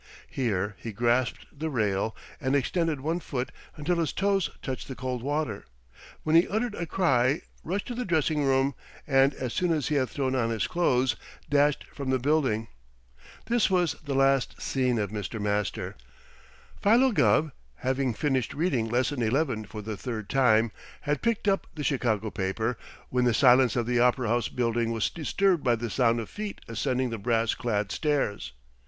Here he grasped the rail and extended one foot until his toes touched the cold water, when he uttered a cry, rushed to the dressing room, and, as soon as he had thrown on his clothes, dashed from the building. That was the last seen of Mr. Master. Philo Gubb, having finished reading Lesson Eleven for the third time, had picked up the Chicago paper when the silence of the Opera House Building was disturbed by the sound of feet ascending the brass clad stairs.